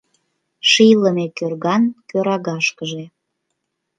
Шийлыме кӧрган кӧрагашкыже